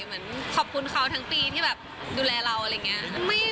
เหมือนขอบคุณเขาทั้งปีที่แบบดูแลเราอะไรอย่างนี้